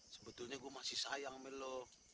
sebetulnya gue masih sayang milo